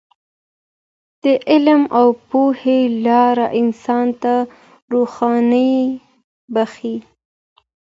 د علم او پوهې لاره انسان ته روښنايي بښي.